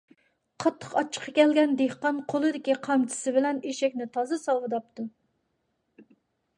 قاتتىق ئاچچىقى كەلگەن دېھقان قولىدىكى قامچىسى بىلەن ئېشەكنى تازا ساۋىداپتۇ.